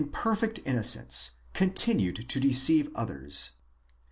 perfect innoeence, continued to deceive others.